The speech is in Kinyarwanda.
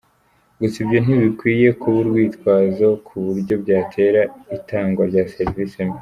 gusa ibyo ntibikwiye kuba urwitwazo ku buryo byatera itangwa rya serivisi mbi.